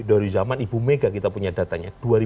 dari zaman ibu mega kita punya datanya